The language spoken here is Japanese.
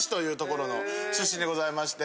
でございまして。